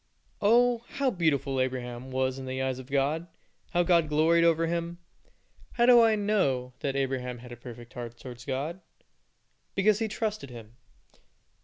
Oh, how beautiful Abraham was in the eyes of God; how God gloried over him. How do I know that Abraham had a perfect heart towards God? Because he trusted Him.